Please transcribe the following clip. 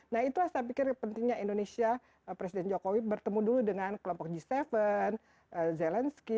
nah itulah saya pikir pentingnya indonesia presiden jokowi bertemu dulu dengan kelompok g tujuh zelensky